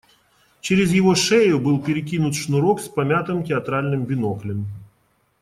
Через его шею был перекинут шнурок с помятым театральным биноклем.